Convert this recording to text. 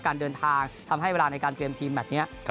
การเดินทางทำให้เวลาในการเตรียมทีมแมทนี้